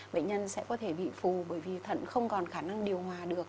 bệnh nhân sẽ có thể bị phù bởi vì thận không còn khả năng điều hòa được